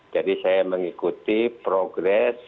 jadi saya mengikuti progres